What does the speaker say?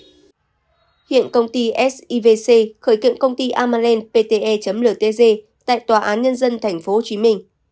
hiện công ty sivc khởi kiệm công ty amalen pte ltg tại tòa án nhân dân tp hcm